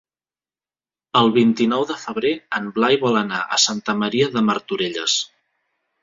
El vint-i-nou de febrer en Blai vol anar a Santa Maria de Martorelles.